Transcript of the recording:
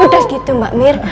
udah gitu mbak mir